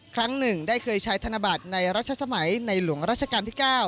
ครั้งหนึ่งได้เคยใช้ธนบัตรในรัชสมัยในหลวงราชการที่๙